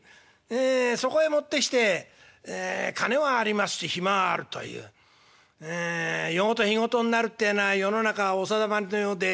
ええそこへ持ってきて金はありますし暇はあるというええ夜ごと日ごとになるってえのは世の中お定まりのようで。